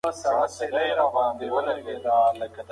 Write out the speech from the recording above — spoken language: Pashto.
که ماشوم ته مینه ورکړو، نو هغه به تل خوشحاله وي.